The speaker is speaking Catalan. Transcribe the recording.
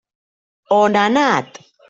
On ha anat?